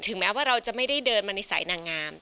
แม้ว่าเราจะไม่ได้เดินมาในสายนางงาม